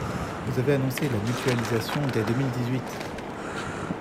Vous avez annoncé la mutualisation dès deux mille dix-huit.